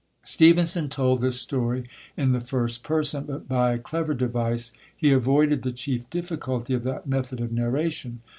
Stevenson told this story in the first person, but, by a clever device, he avoided the chief difficulty of that method of narration.